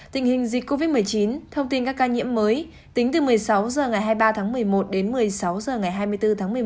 tình hình dịch covid một mươi chín thông tin các ca nhiễm mới tính từ một mươi sáu h ngày hai mươi ba tháng một mươi một đến một mươi sáu h ngày hai mươi bốn tháng một mươi một